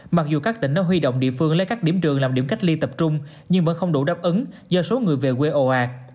mặc dù các tỉnh đã huy động địa phương lấy các điểm trường làm điểm cách ly tập trung nhưng vẫn không đủ đáp ứng do số người về quê ồ ạt